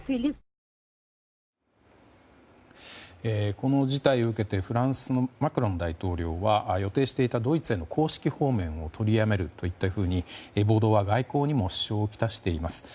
この事態を受けてフランスのマクロン大統領は予定していたドイツへの公式訪問を取りやめるといったふうに暴動は、外交にも支障を来しています。